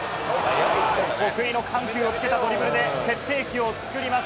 得意の緩急をつけたドリブルで決定機を作ります。